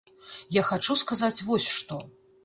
Я хачу сказаць вось што.